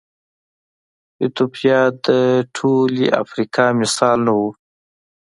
ایتوپیا د ټولې افریقا مثال نه و.